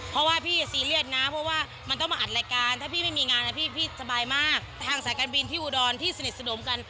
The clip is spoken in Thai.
เพราะว่าพี่ซีเรียสนะเพราะว่ามันต้องมาอัดโรค